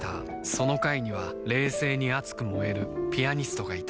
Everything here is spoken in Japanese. その階には冷静に熱く燃えるピアニストがいた